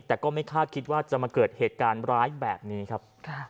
แต่ก็ไม่คาดคิดว่าจะมาเกิดเหตุการณ์ร้ายแบบนี้ครับ